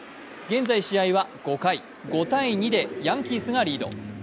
試合は現在５回、５−２でヤンキースがリード。